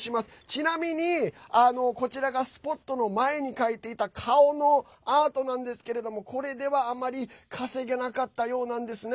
ちなみに、こちらがスポットの前に描いていた顔のアートなんですけれどもこれではあまり稼げなかったようです。